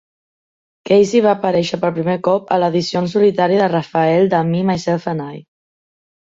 Casey va aparèixer per primer cop a l'edició en solitari de Raphael de Me, Myself and I.